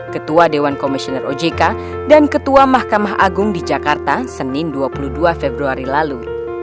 ketua dewan komisioner ojk dan ketua mahkamah agung di jakarta senin dua puluh dua februari lalu